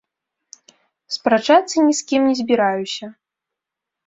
Спрачацца ні з кім не збіраюся.